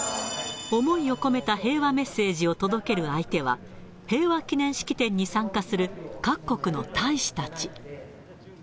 思いを込めた平和メッセージを届ける相手は、平和記念式典に参加する各国の大使たち。